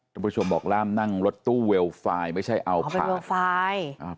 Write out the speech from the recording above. ทุกผู้ชมบอกล่ามนั่งรถตู้เวลไฟล์ไม่ใช่เอาผ่านโปรไฟล์